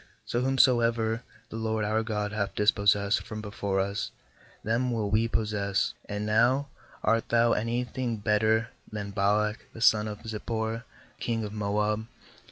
So whomsoever the LORD our God hath dispossessed from before us, them will we possess. 25And now art thou any thing better than Balak the son of Zippor, king of Moab?